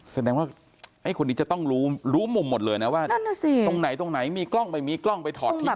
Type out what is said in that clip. แสดงว่าไอ้คนนี้จะต้องรู้มุมหมดเลยนะว่าตรงไหนตรงไหนมีกล้องไปมีกล้องไปถอดทิ้งตรงไหน